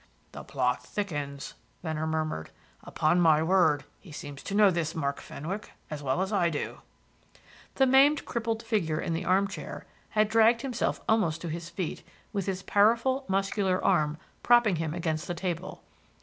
"The plot thickens," Venner murmured. "Upon my word, he seems to know this Mark Fenwick as well as I do." The maimed crippled figure in the armchair had dragged himself almost to his feet, with his powerful, muscular arm propping him against the table.